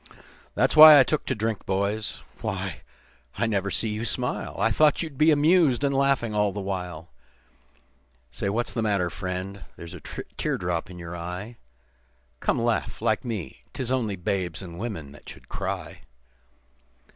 "That's why I took to drink, boys. Why, I never see you smile, I thought you'd be amused, and laughing all the while. Why, what's the matter, friend? There's a tear drop in you eye, Come, laugh like me. 'Tis only babes and women that should cry.